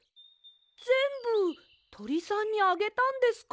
ぜんぶとりさんにあげたんですか？